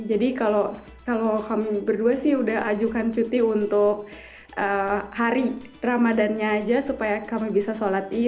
jadi kalau kami berdua sih sudah ajukan cuti untuk hari ramadannya aja supaya kami bisa sholat